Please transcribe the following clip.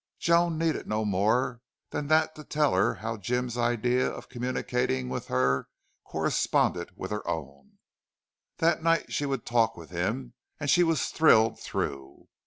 Joan needed no more than that to tell her how Jim's idea of communicating with her corresponded with her own. That night she would talk with him and she was thrilled through.